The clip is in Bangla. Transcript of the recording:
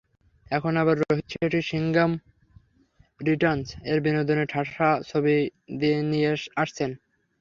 এখন আবার রোহিত শেঠির সিংঘাম রিটার্নস-এর বিনোদনে ঠাসা ছবি নিয়ে আসছেন।